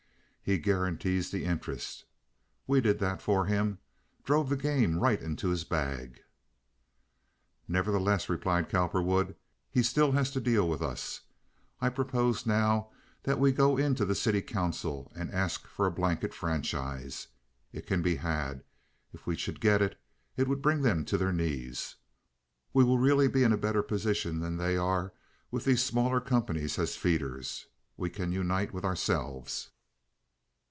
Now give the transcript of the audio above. He guarantees the interest. We did that for him—drove the game right into his bag." "Nevertheless," replied Cowperwood, "he still has us to deal with. I propose now that we go into the city council and ask for a blanket franchise. It can be had. If we should get it, it will bring them to their knees. We will really be in a better position than they are with these smaller companies as feeders. We can unite with ourselves."